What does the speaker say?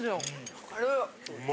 分かる！